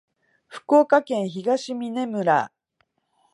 福岡県東峰村